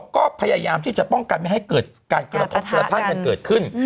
ก็พยายามที่จะพ่องกันไม่ให้การประทับกระทั่งเกิดขึ้น